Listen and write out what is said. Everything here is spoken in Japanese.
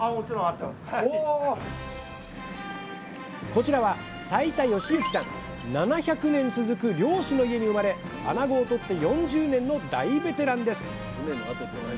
こちらは７００年続く漁師の家に生まれあなごをとって４０年の大ベテランです